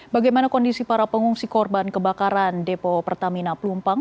bagaimana kondisi para pengungsi korban kebakaran depo pertamina pelumpang